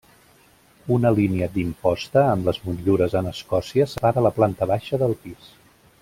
Una línia d'imposta amb les motllures en escòcia separa la planta baixa del pis.